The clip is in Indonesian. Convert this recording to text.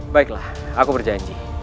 baiklah aku berjanji